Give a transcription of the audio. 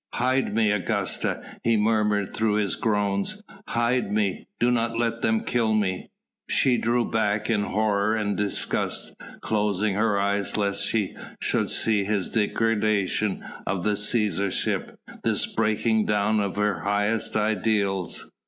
"Hide me, Augusta," he murmured through his groans, "hide me!... Do not let them kill me." She drew back in horror and disgust, closing her eyes lest she should see this degradation of the Cæsarship, this breaking down of her highest ideals.